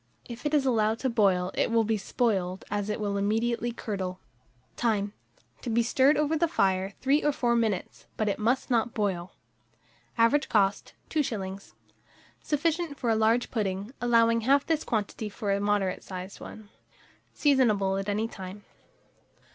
If it is allowed to boil, it will be spoiled, as it will immediately curdle. Time. To be stirred over the fire 3 or 4 minutes; but it must not boil. Average cost, 2s. Sufficient for a large pudding; allow half this quantity for a moderate sized one. Seasonable at any time.